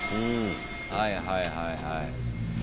はいはいはいはい。